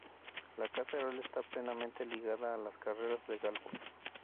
La casa real está plenamente ligada a las carreras de galgos.